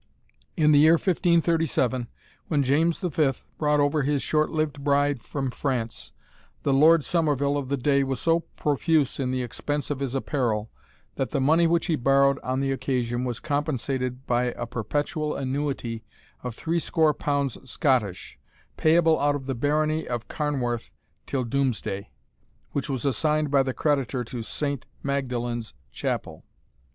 In the year 1537, when James V. brought over his shortlived bride from France, the Lord Somerville of the day was so profuse in the expense of his apparel, that the money which he borrowed on the occasion was compensated by a perpetual annuity of threescore pounds Scottish, payable out of the barony of Carnwarth till doomsday, which was assigned by the creditor to Saint Magdalen's Chapel.